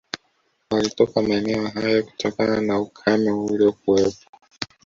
Walitoka maeneo hayo kutokana na ukame uliokuwepo